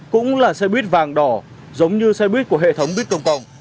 cũng là xe buýt vàng đỏ giống như xe buýt của hệ thống buýt công cộng